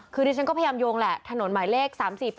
คือดิฉันก็พยายามโยงแหละถนนหมายเลข๓๔๘